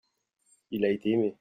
il a été aimé.